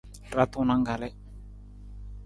Ra tunang kalii.